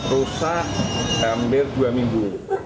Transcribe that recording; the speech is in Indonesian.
rusak hampir dua minggu